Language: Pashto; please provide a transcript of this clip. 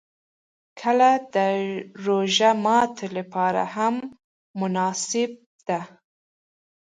کېله د روژه ماتي لپاره هم مناسبه ده.